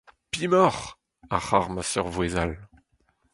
Pemoc’h ! a c’harmas ur vouezh all.